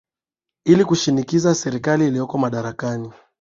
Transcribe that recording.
ili kuishinikiza serikali ilioko madarakani